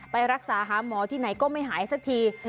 ไปรักษาหาหมอที่ไหนก็ไม่หายสักที